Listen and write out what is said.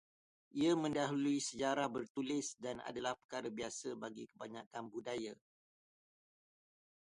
Ia mendahului sejarah bertulis dan adalah perkara biasa bagi kebanyakan budaya